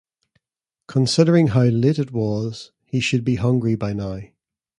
Considering how late it was, he should be hungry by now.